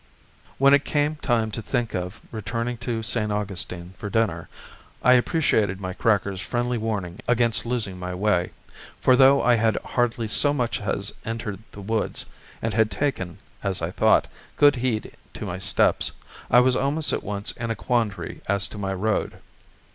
When it came time to think of returning to St. Augustine, for dinner, I appreciated my cracker's friendly warning against losing my way; for though I had hardly so much as entered the woods, and had taken, as I thought, good heed to my steps, I was almost at once in a quandary as to my road.